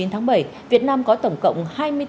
chín tháng bảy việt nam có tổng cộng